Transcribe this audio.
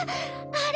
あれ？